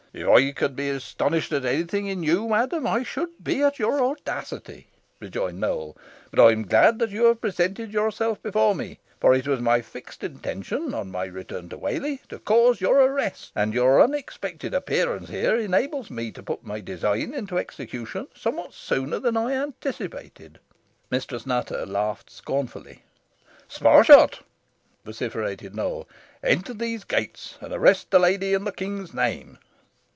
"If I could be astonished at any thing in you, madam, I should be at your audacity," rejoined Nowell, "but I am glad that you have presented yourself before me; for it was my fixed intention, on my return to Whalley, to cause your arrest, and your unexpected appearance here enables me to put my design into execution somewhat sooner than I anticipated." Mistress Nutter laughed scornfully. "Sparshot," vociferated Nowell, "enter those gates, and arrest the lady in the King's name."